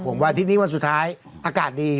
ผมว่าอาทิตย์นี้วันสุดท้ายอากาศดี